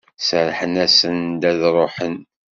Serrḥen-asen-d ad d-ruḥen.